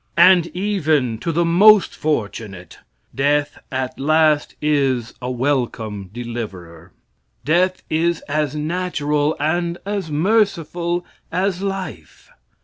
And even to the most fortunate death at last is a welcome deliverer. Death is as natural and as merciful as life.